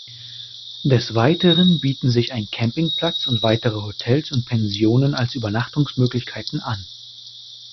Des Weiteren bieten sich ein Campingplatz und weitere Hotels und Pensionen als Übernachtungsmöglichkeiten an.